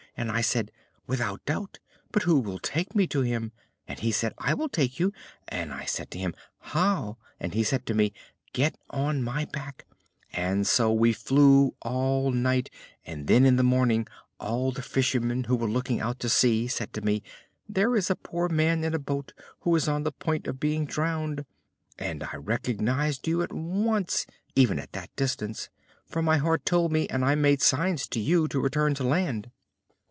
and I said, 'Without doubt! but who will take me to him?' and he said to me, 'I will take you,' and I said to him, 'How?' and he said to me, 'Get on my back,' and so we flew all night, and then in the morning all the fishermen who were looking out to sea said to me, 'There is a poor man in a boat who is on the point of being drowned,' and I recognized you at once, even at that distance, for my heart told me, and I made signs to you to return to land."